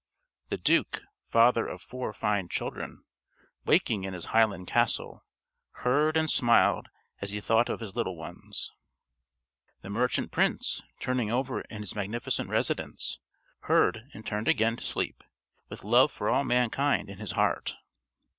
The Duke, father of four fine children, waking in his Highland castle, heard and smiled as he thought of his little ones.... The Merchant Prince, turning over in his magnificent residence, heard, and turned again to sleep, with love for all mankind in his heart....